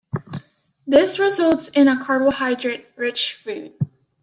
This results in a carbohydrate-rich food.